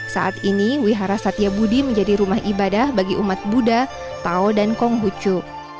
saat ini wihara satya budi menjadi rumah ibadah bagi umat buddha tao dan konghucu